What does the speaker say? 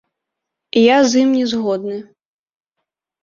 Я з ім не згодны.